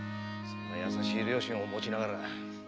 そんな優しい両親を持ちながら。